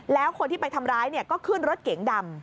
แล้วคนที่ไปทำร้ายก็ขึ้นรถเก๋งดำ